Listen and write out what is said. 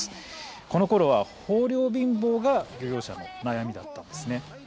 このころは、豊漁貧乏が漁業者の悩みでした。